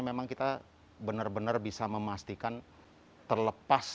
memang kita benar benar bisa memastikan terlepas